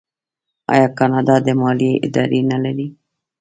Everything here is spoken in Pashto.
آیا کاناډا د مالیې اداره نلري؟